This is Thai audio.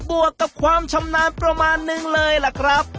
วกกับความชำนาญประมาณนึงเลยล่ะครับ